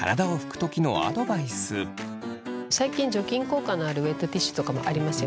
最近除菌効果のあるウェットティッシュとかもありますよね。